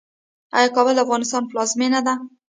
آیا کابل د افغانستان پلازمینه ده؟